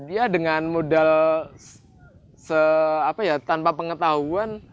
dia dengan modal tanpa pengetahuan